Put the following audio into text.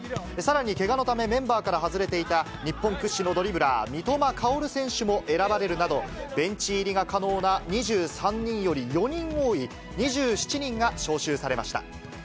さらに、けがのためメンバーから外れていた日本屈指のドリブラー、三笘薫選手も選ばれるなど、ベンチ入りが可能な２３人より４人多い２７人が招集されました。